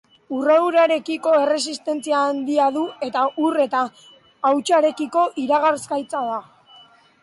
Urradurarekiko erresistentzia handia du, eta ur eta hautsarekiko iragazgaitza da.